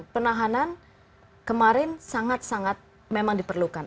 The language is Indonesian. penahanan kemarin sangat sangat memang diperlukan